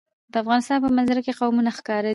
د افغانستان په منظره کې قومونه ښکاره ده.